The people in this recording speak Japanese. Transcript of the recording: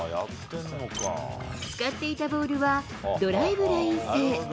使っていたボールはドライブライン製。